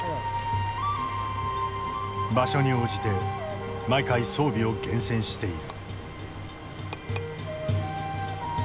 場所に応じて毎回装備を厳選している。